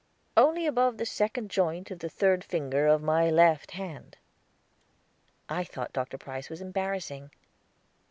"Only above the second joint of the third finger of my left hand." I thought Dr. Price was embarrassing.